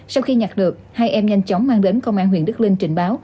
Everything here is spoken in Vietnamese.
sau khi nhặt được hai em nhanh chóng mang đến công an huyện đức linh trình báo